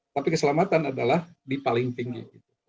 tapi keselamatan adalah di paling tinggi